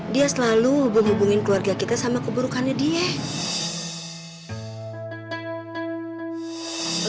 dia selalu hubung hubungin keluarga kita sama keburukannya dia